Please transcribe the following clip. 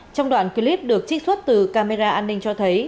trong đoạn clip được trích xuất từ camera an ninh cho thấy